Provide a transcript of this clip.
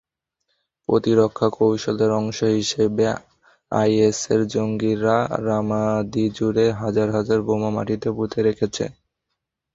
প্রতিরক্ষা কৌশলের অংশ হিসেবে আইএসের জঙ্গিরা রামাদিজুড়ে হাজার হাজার বোমা মাটিতে পুঁতে রেখেছে।